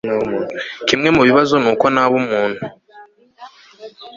kimwe mubibazo ni uko naba umuntu